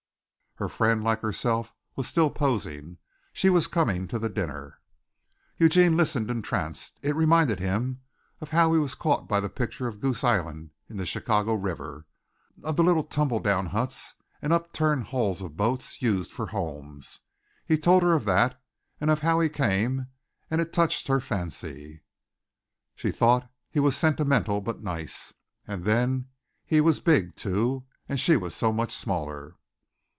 Her friend, like herself, was still posing. She was coming to the dinner. Eugene listened entranced. It reminded him of how he was caught by the picture of Goose Island in the Chicago River, of the little tumble down huts and upturned hulls of boats used for homes. He told her of that and of how he came, and it touched her fancy. She thought he was sentimental but nice and then he was big, too, and she was so much smaller.